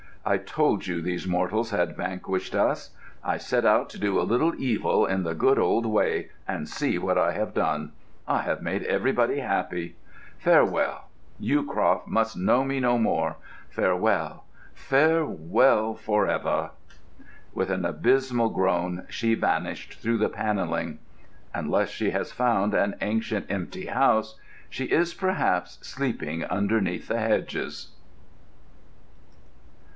I told you these mortals had vanquished us. I set out to do a little evil, in the good old way, and see what I have done! I have made everybody happy! Farewell. Yewcroft must know me no more. Farewell, farewell for ever!" With an abysmal groan she vanished through the panelling. Unless she has found an ancient, empty house, she is perhaps sleeping underneath the hedges.